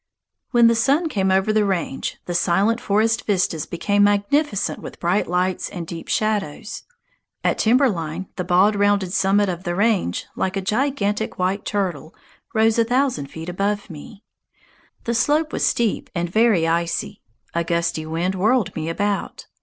When the sun came over the range, the silent forest vistas became magnificent with bright lights and deep shadows. At timber line the bald rounded summit of the range, like a gigantic white turtle, rose a thousand feet above me. The slope was steep and very icy; a gusty wind whirled me about.